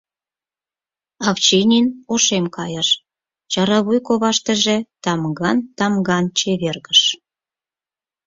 Овчинин ошем кайыш, чара вуй коваштыже тамган-тамган чевергыш.